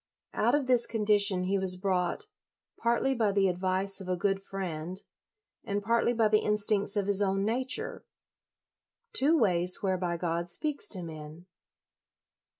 Out of this condition he was brought, partly by the advice of a good friend, and partly by the instincts of his own nature; two ways whereby God speaks to men.